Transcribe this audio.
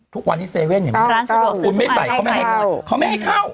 ทุกวันนี้เซเว่นเนี่ยมี